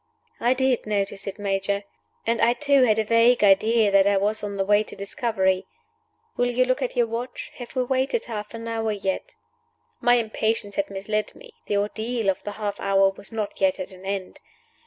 "I did notice it, Major. And I too had a vague idea that I was on the way to discovery. Will you look at your watch? Have we waited half an hour yet?" My impatience had misled me. The ordeal of the half hour was not yet at an end.